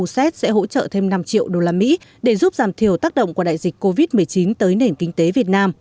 sẽ hỗ trợ thêm năm triệu đô la mỹ để giúp giảm thiểu tác động của đại dịch covid một mươi chín tới nền kinh tế việt nam